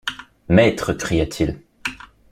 Maître », cria-t-il.